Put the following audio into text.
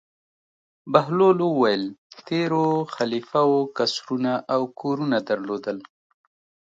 بهلول وویل: تېرو خلیفه وو قصرونه او کورونه درلودل.